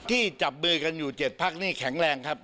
ที่จับมือกันอยู่๗พักนี่แข็งแรงครับ